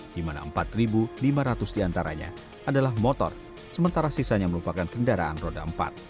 dimana empat lima ratus di antaranya adalah motor sementara sisanya merupakan kendaraan roda empat